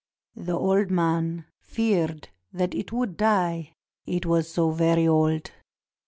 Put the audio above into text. The old man feared that it would die, it was so very old.